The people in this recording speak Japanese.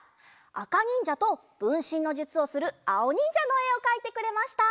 あかにんじゃとぶんしんのじゅつをするあおにんじゃのえをかいてくれました。